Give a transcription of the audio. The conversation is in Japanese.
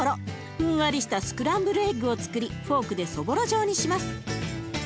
ふんわりしたスクランブルエッグをつくりフォークでそぼろ状にします。